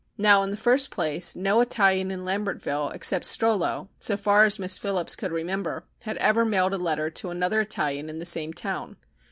Now, in the first place, no Italian in Lambertville, except Strollo, so far as Miss Phillips could remember, had ever mailed a letter to another Italian in the same town.